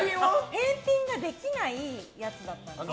返品ができないやつだったんです。